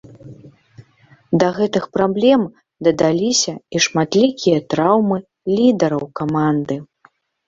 Да гэтых праблем дадаліся і шматлікія траўмы лідараў каманды.